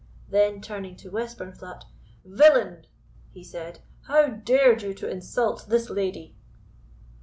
Then turning to Westburnflat, "Villain!" he said, "how dared you to insult this lady?"